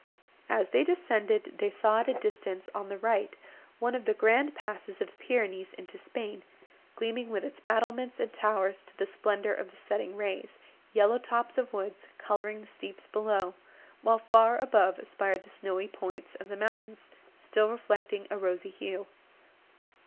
As they descended, they saw at a distance, on the right, one of the grand passes of the Pyrenees into Spain, gleaming with its battlements and towers to the splendour of the setting rays, yellow tops of woods colouring the steeps below, while far above aspired the snowy points of the mountains, still reflecting a rosy hue.